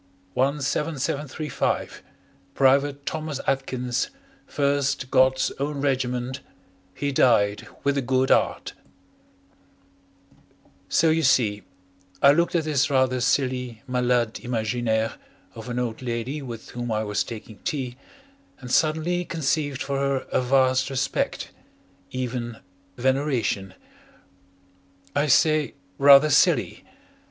17735 P'V'TE THOMAS ATKINS 1ST GOD'S OWN REG'T HE DIED WITH A GOOD 'EART So, you see, I looked at this rather silly malade imaginaire of an old lady with whom I was taking tea, and suddenly conceived for her a vast respect even veneration. I say "rather silly."